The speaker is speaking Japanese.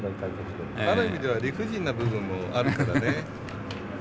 ある意味では理不尽な部分もあるからね。